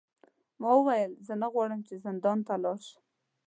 ما وویل زه نه غواړم چې زندان ته لاړ شم.